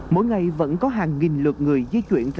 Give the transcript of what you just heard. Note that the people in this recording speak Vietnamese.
mỗi ngày vẫn có hàng nghìn lượt người di chuyển